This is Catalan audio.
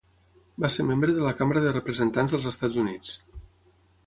Va ser membre de la Cambra de Representants dels Estats Units.